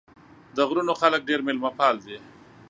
د غرونو خلک ډېر مېلمه پال دي.